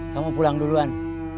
kamu pulang duluan